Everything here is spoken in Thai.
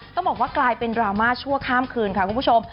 ต้องบอกว่ากลายเป็นดราม่าชั่วข้ามคืนค่ะคุณผู้ชม